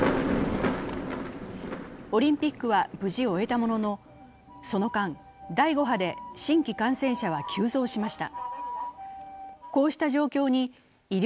オリンピックは無事終えたものの、その間、第５波で新規感染者は急増しました。